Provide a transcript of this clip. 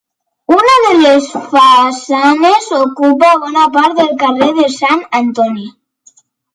Una de les façanes ocupa bona part del carrer de Sant Antoni.